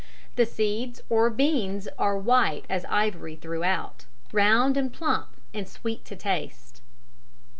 The seeds or beans are white as ivory throughout, round and plump, and sweet to taste.